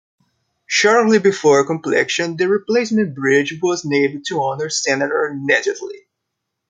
Shortly before completion, the replacement bridge was named to honor Senator Nejedly.